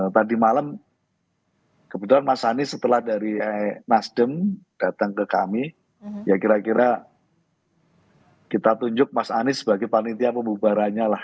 tadi malam kebetulan mas anies setelah dari nasdem datang ke kami ya kira kira kita tunjuk mas anies sebagai panitia pembubarannya lah